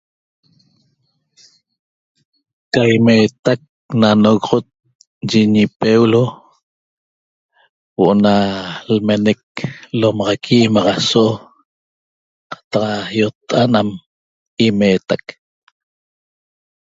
Ca imeetac na nogoxot yi ñipeulo huo'o na lmenec lomaxaqui maxaso qataq ýotta'a't nam imeetac